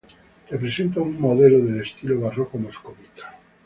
Representa un modelo del estilo barroco moscovita.